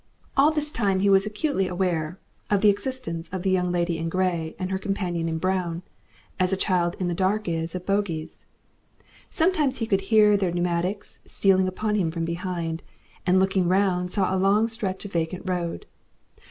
All this time he was acutely aware of the existence of the Young Lady in Grey and her companion in brown, as a child in the dark is of Bogies. Sometimes he could hear their pneumatics stealing upon him from behind, and looking round saw a long stretch of vacant road.